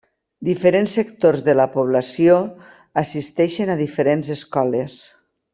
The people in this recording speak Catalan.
Diferents sectors de la població assisteixen a diferents escoles.